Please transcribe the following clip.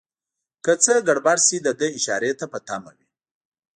که څه ګړبړ شي دده اشارې ته په تمه وي.